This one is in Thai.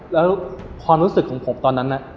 แล้วความรู้สึกของผมตอนนั้นน่ะ